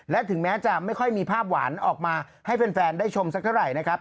และถึงแม้จะไม่ค่อยมีภาพหวานออกมาให้แฟนได้ชมสักเท่าไหร่นะครับ